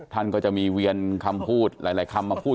ท่านก็จะมีเวียนคำพูดหลายคำมาพูด